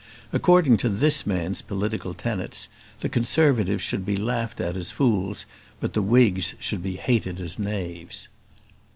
According to this man's political tenets, the Conservatives should be laughed at as fools, but the Whigs should be hated as knaves.